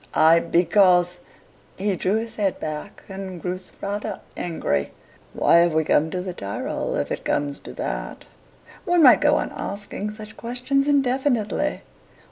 "I because " He drew his head back and grew rather angry. "Why have we come to the Tyrol, if it comes to that? One might go on asking such questions indefinitely."